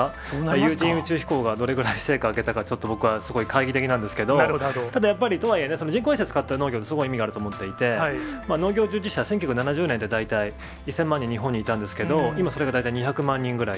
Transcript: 有人宇宙飛行がどれぐらい成果上げたか、ちょっと僕はすごい懐疑的なんですけど、ただやっぱり、とはいえね、人工衛星を使った農業ってすごい意味があると思っていて、農業従事者、１９７０年で大体１０００万人日本にいたんですけど、今、それが大体２００万人ぐらい。